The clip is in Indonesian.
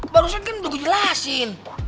barusan kan udah gue jelasin